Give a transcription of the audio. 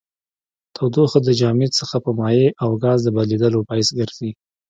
تودوخه د جامد څخه په مایع او ګاز د بدلیدو باعث ګرځي.